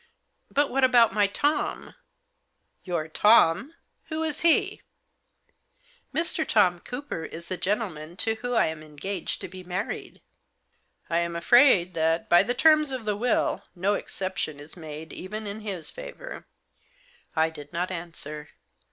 " But what about my Tom ?"« Your— Tom ? Who is he ?"" Mr. Tom Cooper is the gentleman to whom I amr engaged to be married." "I am afraid that, by the terms of the will, no exception is made even in his favour '." I did not answer.